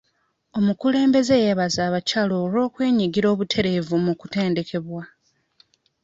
Omukulembeze yeebaza abakyala olw'okwenyigira obutereevu mu kutendekebwa.